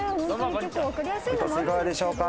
お一ついかがでしょうか？